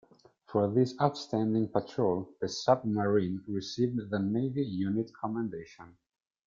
For this outstanding patrol the submarine received the Navy Unit Commendation.